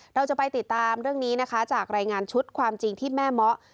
เราจะไปติดตามเรื่องนี้นะคะจากรายงานชุดความจริงที่แม่เมาะ